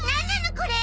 これ！